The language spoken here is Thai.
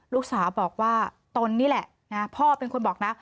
ลูกสาวบอกว่าตนนี่แหละพ่อเป็นคนบอกนะ